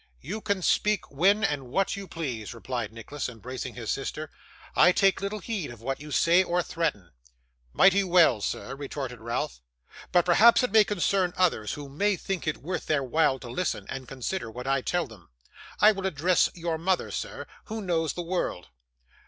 'You can speak when and what you please,' replied Nicholas, embracing his sister. 'I take little heed of what you say or threaten.' 'Mighty well, sir,' retorted Ralph; 'but perhaps it may concern others, who may think it worth their while to listen, and consider what I tell them. I will address your mother, sir, who knows the world.